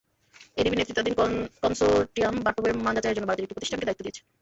এডিবির নেতৃত্বাধীন কনসোর্টিয়াম পাঠ্যবইয়ের মান যাচাইয়ের জন্য ভারতের একটি প্রতিষ্ঠানকে দায়িত্ব দিয়েছে।